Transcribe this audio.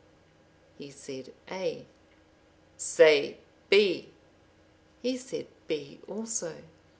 He said A. "Say B;" he said B also.